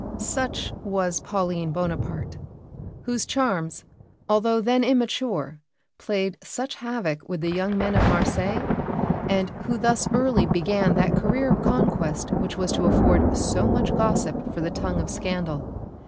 '" Such was Pauline Bonaparte, whose charms, although then immature, played such havoc with the young men of Marseilles, and who thus early began that career of conquest which was to afford so much gossip for the tongue of scandal.